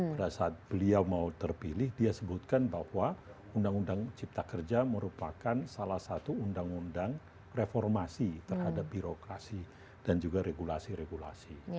pada saat beliau mau terpilih dia sebutkan bahwa undang undang cipta kerja merupakan salah satu undang undang reformasi terhadap birokrasi dan juga regulasi regulasi